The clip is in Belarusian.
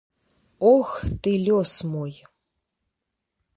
Ох, ты лёс мой!